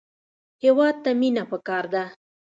هېواد ته مینه پکار ده